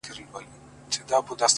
• مناجات ,